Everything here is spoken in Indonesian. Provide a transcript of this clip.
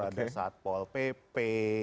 ada satpol pp